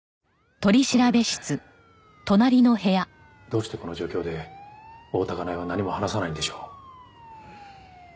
どうしてこの状況で大多香苗は何も話さないんでしょう？